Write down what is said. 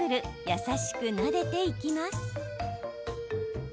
優しくなでていきます。